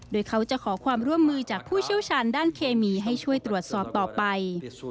โดยเขาจะขอความร่วมมือจากผู้เชี่ยวชาญด้านเคมีให้ช่วยตรวจสอบต่อไป